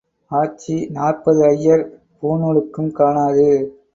ஆச்சி நூற்பது ஐயர் பூணூலுக்கும் காணாது.